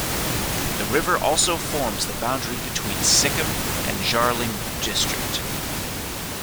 The river also forms the boundary between Sikkim and Darjeeling district.